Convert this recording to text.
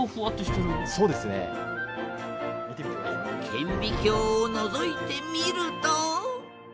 顕微鏡をのぞいてみると。